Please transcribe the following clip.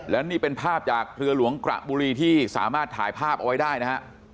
และนี่เป็นภาพจากเรือหลวงกระบุรีที่สามารถถ่ายภาพเอาไว้ได้นะฮะ